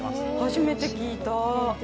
初めて聞いた。